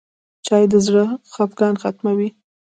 چای د زړه خفګان ختموي.